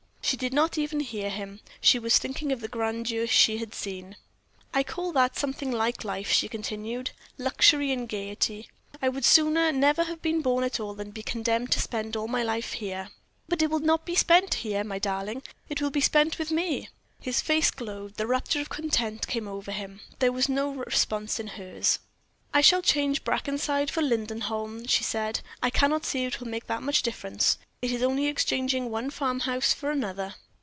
She did not even hear him; she was thinking of the grandeur she had seen. "I call that something like life," she continued "luxury and gayety. I would sooner never have been born at all than be condemned to spend all my life here." "But it will not be spent here, my darling; it will be spent with me." His face glowed; the rapture of content came over it. There was no response in hers. "I shall change Brackenside for Lindenholm," she said. "I cannot see that it will make much difference. It is only exchanging one farm house for another."